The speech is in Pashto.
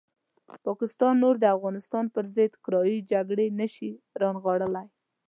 پاکستان نور د افغانستان پرضد کرایي جګړې نه شي رانغاړلی.